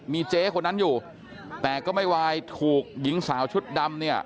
มีเจ๊คนนั้นอยู่แต่ก็ไม่วายถูกหญิงสาวชุดดำเนี่ย